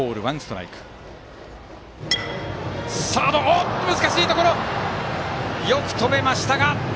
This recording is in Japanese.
サード、難しいところよく止めました。